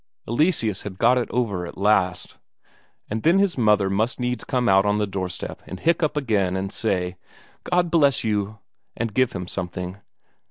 Eleseus had got it over at last. And then his mother must needs come out on the door slab and hiccup again and say, "God bless you!" and give him something.